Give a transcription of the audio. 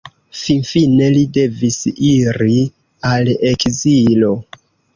Finfine li devis iri al ekzilo.